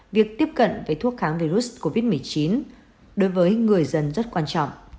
việc tiếp cận với thuốc kháng virus covid một mươi chín đối với người dân rất quan trọng